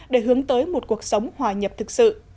để hướng tới một cuộc sống hòa nhập thực sự